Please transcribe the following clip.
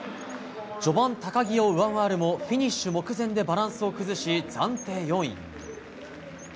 序盤、高木を上回るもフィニッシュ目前でバランスを崩し暫定４位。